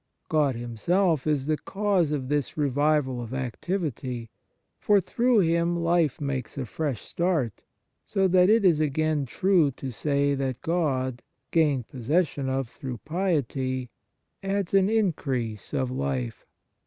God Him self is the cause of this revival of activity ; for through Him life makes a fresh start, so that it is again true to say that God, gained possession of through piety, adds an increase of life.